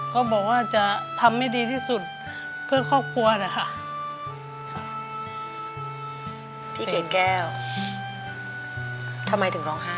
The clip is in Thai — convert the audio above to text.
เขาเหนื่อย